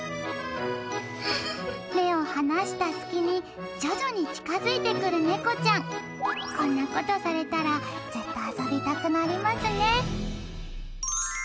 目を離した隙に徐々に近づいてくる猫ちゃんこんなことされたらずっと遊びたくなりますね